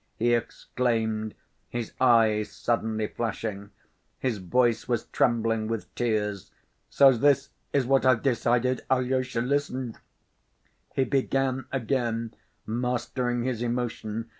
he exclaimed, his eyes suddenly flashing. His voice was trembling with tears. "So this is what I've decided, Alyosha, listen," he began again, mastering his emotion.